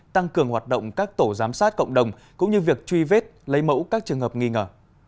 tăng cường hoạt động các tổ giám sát cộng đồng cũng như việc truy vết lấy mẫu các trường hợp nghi ngờ